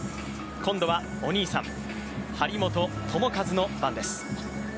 今度はお兄さん、張本智和の番です